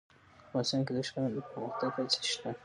افغانستان کې د ښارونو د پرمختګ هڅې شته.